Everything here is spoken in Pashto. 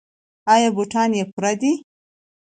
ایا بوټان یې پوره دي؟